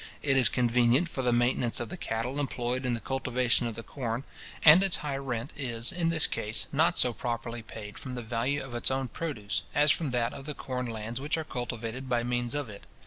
It is convenient for the maintenance of the cattle employed in the cultivation of the corn; and its high rent is, in this case, not so properly paid from the value of its own produce, as from that of the corn lands which are cultivated by means of it.